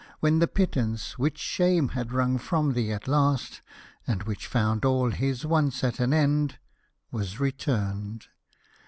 When the pittance, wdiich shame had wrung from thee at last, And which found all his wants at an end, was returned